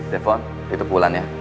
telepon itu pulang ya